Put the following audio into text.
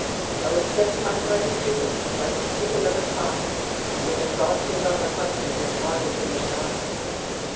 —O, it sets my hart a clickin' like the tickin' of a clock, When the frost is on the punkin and the fodder's in the shock.